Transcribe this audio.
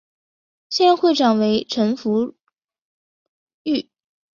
现任会长为陈福裕。